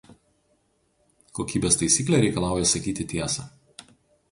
Kokybės taisyklė reikalauja sakyti tiesą.